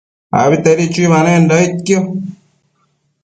Abitedi chuibanenda aidquio